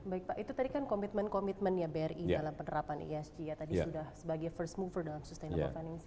baik pak itu tadi kan komitmen komitmen ya bri dalam penerapan esg ya tadi sudah sebagai first mover dalam sustainable financing